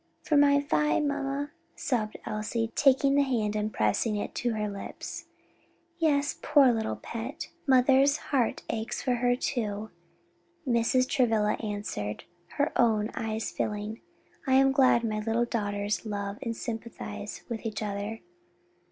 "For my Vi, mamma," sobbed Elsie, taking the hand and pressing it to her lips. "Yes, poor little pet! mother's heart aches for her too," Mrs. Travilla answered, her own eyes filling. "I am glad my little daughters love and sympathize with each other."